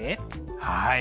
はい。